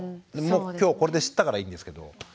もう今日これで知ったからいいんですけど。